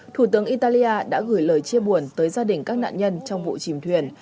thủ tướng italia đã gửi lời chia buồn tới gia đình các nạn nhân trong vụ chìm thuyền